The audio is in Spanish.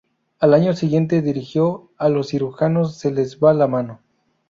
Al año siguiente dirigió "A los cirujanos se les va la mano".